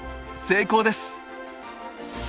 成功です！